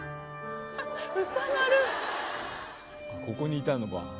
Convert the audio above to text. ここにいたのか。